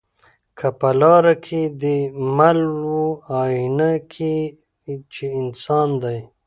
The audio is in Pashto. که په لاره کی دي مل وو آیینه کي چي انسان دی